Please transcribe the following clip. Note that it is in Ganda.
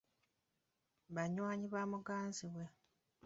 Banywanyi ba muganzi we.